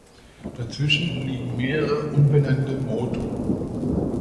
Dazwischen liegen mehrere unbenannte Motu.